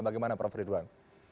bagaimana prof ridwan